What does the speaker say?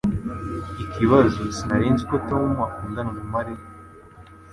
Ikibazo sinari nzi ko Tom akundana na Mariya